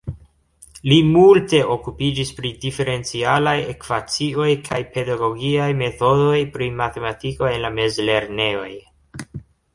Li multe okupiĝis pri diferencialaj ekvacioj kaj pedagogiaj metodoj pri matematiko en la mezlernejoj.